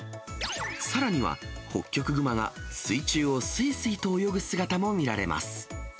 さらには、ホッキョクグマが水中をすいすいと泳ぐ姿も見られます。